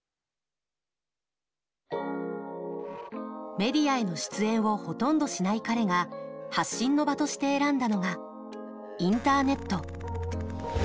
メディアへの出演をほとんどしない彼が発信の場として選んだのがインターネット。